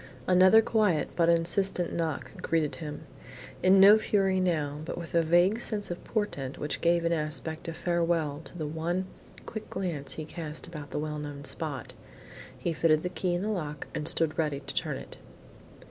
Another quiet but insistent knock greeted him. In no fury now, but with a vague sense of portent which gave an aspect of farewell to the one quick glance he cast about the well known spot, he fitted the key in the lock, and stood ready to turn it.